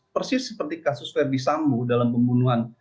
persis seperti kasus verdi sambo dalam pembunuhan